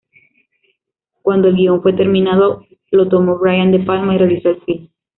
Cuando el guion fue terminado lo tomó Brian De Palma y realizó el film.